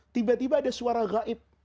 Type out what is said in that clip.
tiba tiba ada suara gaib